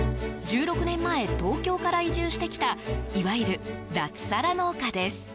１６年前、東京から移住してきたいわゆる脱サラ農家です。